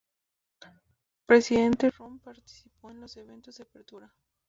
Presidente Roh participó en los eventos de apertura.